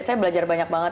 saya belajar banyak banget